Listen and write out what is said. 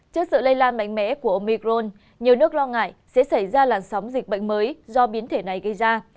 trước sự lây lan mạnh mẽ của omicron nhiều nước lo ngại sẽ xảy ra làn sóng dịch bệnh mới do biến thể này gây ra